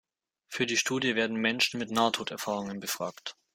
Für die Studie werden Menschen mit Nahtoderfahrung befragt.